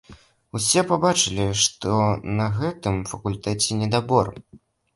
Усе пабачылі, што на гэтым факультэце недабор.